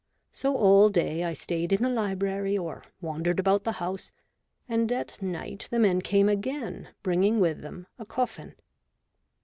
So all day I stayed in the library or wandered about the house, and at night the men came again, bring ing with them a coffin.